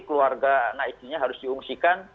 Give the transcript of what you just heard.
keluarga anak istrinya harus diungsikan